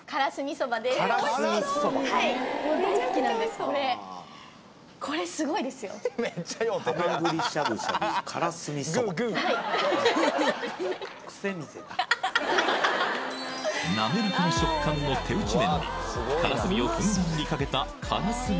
蕎麦はい滑らかな食感の手打ち麺にカラスミをふんだんにかけたカラスミ